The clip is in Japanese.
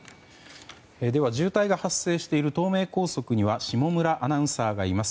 渋滞が発生している東名高速には下村アナウンサーがいます。